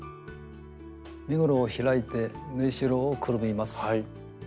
身ごろを開いて縫いしろをくるみます。